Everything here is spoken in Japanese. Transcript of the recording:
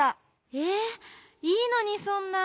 えっいいのにそんな。